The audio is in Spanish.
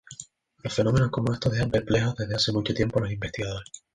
Los fenómenos como estos dejan perplejos desde hace mucho tiempo a los investigadores.